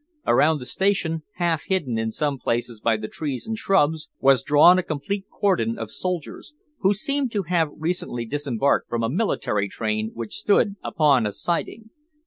Around the station, half hidden in some places by the trees and shrubs, was drawn a complete cordon of soldiers, who seemed to have recently disembarked from a military train which stood upon a siding.